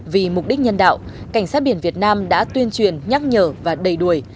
vì mục đích nhân đạo cảnh sát biển việt nam đã tuyên truyền nhắc nhở và đầy đuổi